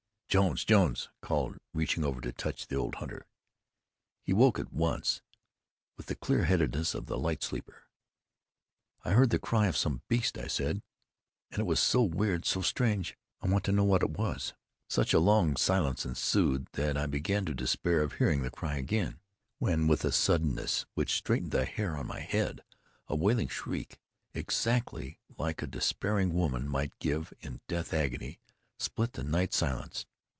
"Jones, Jones," I called, reaching over to touch the old hunter. He awoke at once, with the clear headedness of the light sleeper. "I heard the cry of some beast," I said, "And it was so weird, so strange. I want to know what it was." Such a long silence ensued that I began to despair of hearing the cry again, when, with a suddenness which straightened the hair on my head, a wailing shriek, exactly like a despairing woman might give in death agony, split the night silence.